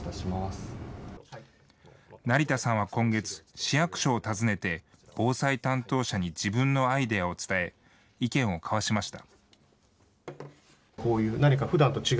成田さんは今月、市役所を訪ねて、防災担当者に自分のアイデアを伝え、意見を交わしました。